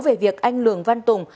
về việc anh lường văn tùng